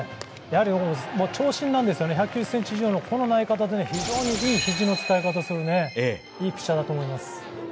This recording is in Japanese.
長身なんですよね、１９０ｃｍ以上でこの投げ方で非常にいい肘の使い方をする、いいピッチャーだと思います。